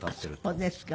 そうですか。